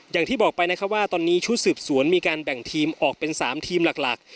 อย่างที่บอกไปนะครับว่าตอนนี้ชุดสืบสวนมีการแบ่งทีมออกเป็น๓ทีมหลัก